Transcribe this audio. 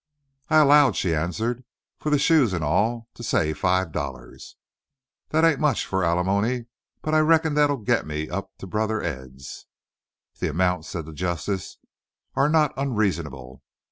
"I 'lowed," she answered, "fur the shoes and all, to say five dollars. That ain't much fur ali money, but I reckon that'll git me to up brother Ed's." "The amount," said the Justice, "air not onreasonable.